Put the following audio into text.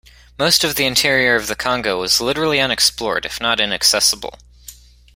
Most of the interior of the Congo was literally unexplored if not inaccessible.